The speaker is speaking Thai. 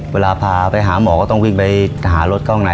เวลาพาไปหาหมอก็ต้องวิ่งไปหารถข้างใน